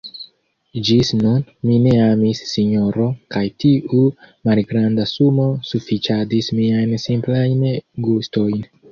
Ĝis nun, mi ne amis, sinjoro, kaj tiu malgranda sumo sufiĉadis miajn simplajn gustojn.